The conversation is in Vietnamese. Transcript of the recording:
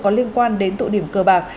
có liên quan đến tụ điểm cờ bạc